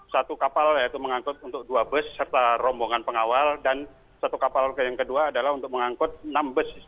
satu kapal yaitu mengangkut untuk dua bus serta rombongan pengawal dan satu kapal yang kedua adalah untuk mengangkut enam bus